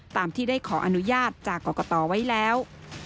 ตามที่ได้ขออนุญาตจากกรกตไว้แล้ว